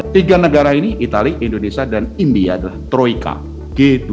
tiga negara ini itali indonesia dan india adalah troika g dua puluh